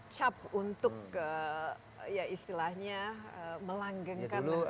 cap untuk istilahnya melanggengkan kekuasaan